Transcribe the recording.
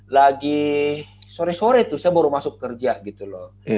lagi sore sore tuh saya baru masuk kerja gitu loh